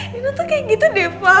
dina tuh kayak gitu deh pa